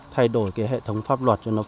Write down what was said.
thay đổi cái hệ thống pháp luật cho nó phù hợp